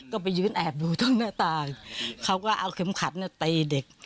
ก็ไปยืนแอบดูตรงหน้าต่างเขาก็เอาเข็มขัดตีเด็ก